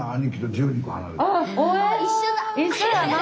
一緒やな。